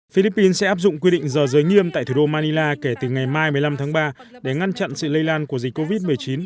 philippines sẽ áp dụng quy định giờ giới nghiêm tại thủ đô manila kể từ ngày mai một mươi năm tháng ba để ngăn chặn sự lây lan của dịch covid một mươi chín